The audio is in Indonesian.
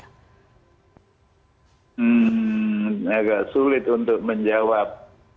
hmm agak sulit untuk menjawab